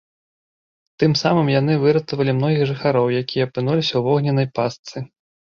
Тым самым яны выратавалі многіх жыхароў, якія апынуліся ў вогненнай пастцы.